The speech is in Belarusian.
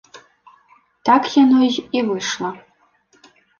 Так яно й выйшла.